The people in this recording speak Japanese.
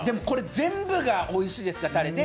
これ全部がおいしいですから。